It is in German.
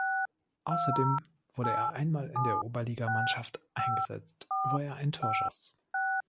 Außerdem wurde er einmal in der Oberligamannschaft eingesetzt, wo er ein Tor schoss.